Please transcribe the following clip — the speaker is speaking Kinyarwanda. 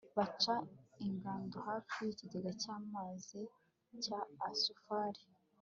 baca ingando hafi y'ikigega cy'amazi cya asufari